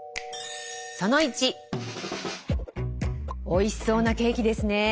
おいしそうなケーキですねぇ。